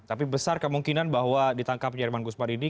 tapi besar kemungkinan bahwa ditangkapnya irman gusman ini